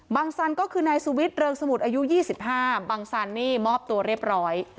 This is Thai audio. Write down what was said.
สันก็คือนายสุวิทย์เริงสมุทรอายุ๒๕บังสันนี่มอบตัวเรียบร้อย